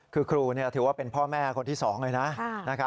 คือคุณถือว่าเป็นผู้แม่คนที่สองนะ